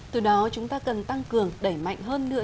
từ đó chúng ta cần tăng cường đẩy mạnh hơn nữa